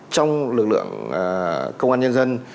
trong lực lượng công an nhân dân